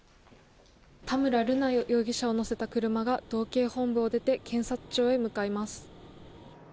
田村瑠奈容疑者を乗せた車が、道警本部を出て、検察庁へ向かいます。